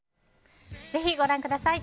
ぜひご覧ください。